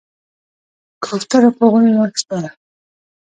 کوتره په ونو ناسته ده.